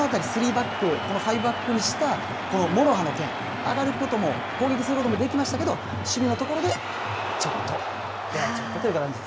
このあたり、３バック、５バックにしたもろ刃の剣、上がることも、攻撃することもできましたけど、守備のところでちょっとやられち